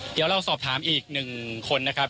เดี๋ยวเราสอบถามอีก๑คนนะครับ